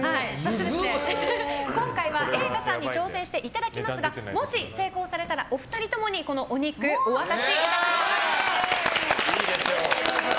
今回は瑛太さんに挑戦していただきますがもし成功されましたらお二人ともにお肉をお渡しいたします。